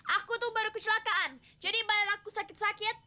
aku tuh baru kecelakaan jadi malah aku sakit sakit